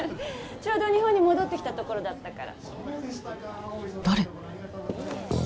ちょうど日本に戻ってきたところだったからそうでしたか誰？